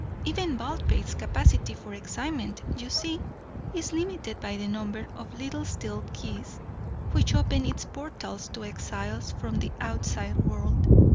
Even Baldpate's capacity for excitement, you see, is limited by the number of little steel keys which open its portals to exiles from the outside world.